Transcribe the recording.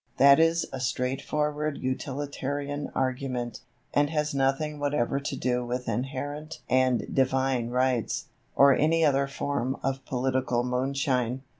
That is a straightforward utilitarian argument, and has nothing whatever to do with inherent and divine rights, or any other form of political moonshine.